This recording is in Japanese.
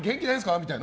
みたいな。